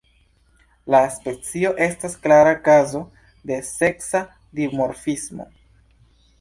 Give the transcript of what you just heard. La specio estas klara kazo de seksa dimorfismo.